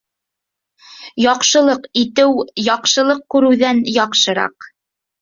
Яҡшылыҡ итеү яҡшылыҡ күреүҙән яҡшыраҡ.